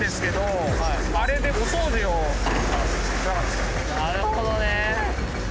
なるほどね。